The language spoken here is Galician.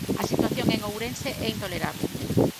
A situación en Ourense é intolerable.